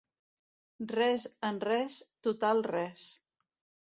Res en res, total res.